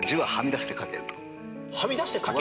はみ出して書け？